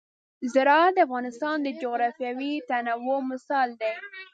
زراعت د افغانستان د جغرافیوي تنوع مثال دی.